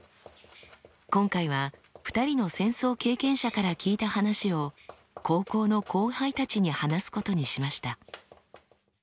今回は２人の戦争経験者から聞いた話を高校の後輩たちに話すことにしました。